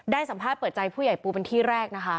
สัมภาษณ์เปิดใจผู้ใหญ่ปูเป็นที่แรกนะคะ